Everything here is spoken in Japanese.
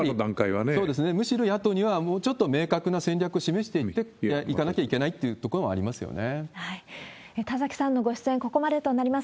むしろ野党には、もうちょっと明確な戦略を示していかなきゃいけないっていうところもありま田崎さんのご出演、ここまでとなります。